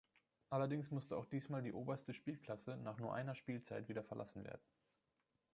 Allerdings musste auch diesmal die oberste Spielklasse nach nur einer Spielzeit wieder verlassen werden.